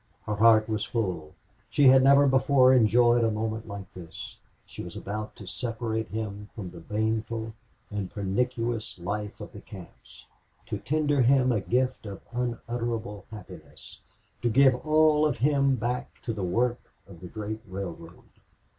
Her heart was full. She had never before enjoyed a moment like this. She was about to separate him from the baneful and pernicious life of the camps to tender him a gift of unutterable happiness to give all of him back to the work of the great railroad.